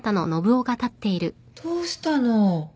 どうしたの？